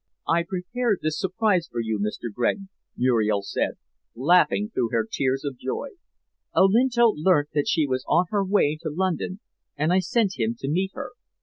"I prepared this surprise for you, Mr. Gregg," Muriel said, laughing through her tears of joy. "Olinto learnt that she was on her way to London, and I sent him to meet her.